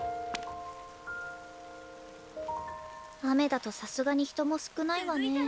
雨だとさすがに人も少ないわね。